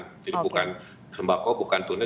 jadi bukan sembako bukan tunai